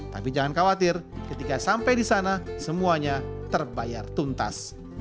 tapi jangan khawatir ketika sampai di sana semuanya terbayar tuntas